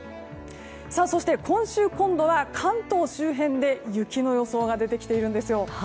そして今週、今度は関東周辺で雪の予想が出てきているんですよ。